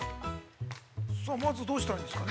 ◆まずどうしたらいいんですか。